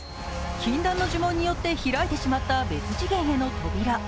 禁断の呪文によって開いてしまった別次元への扉。